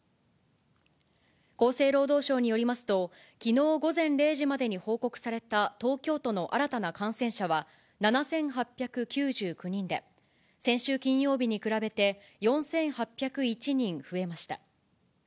厚生労働省によりますと、きのう午前０時までに報告された東京都の新たな感染者は７８９９人で、先週金曜日に比べて４８０１人増えました。